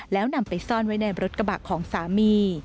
แล้วนำไปซ่อนไว้ในรถกระบะของสามี